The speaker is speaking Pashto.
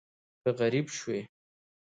که غریب شوې